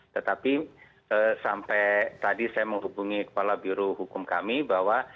tetapi sampai tadi saya menghubungi kepala birohukum kami bahwa